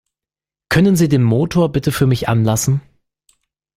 Können Sie den Motor bitte für mich anlassen?